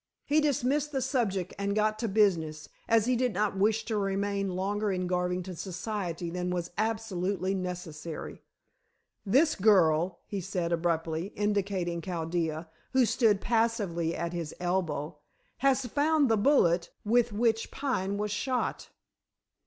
He dismissed the subject and got to business, as he did not wish to remain longer in Garvington's society than was absolutely necessary. "This girl," he said abruptly, indicating Chaldea, who stood passively at his elbow, "has found the bullet with which Pine was shot."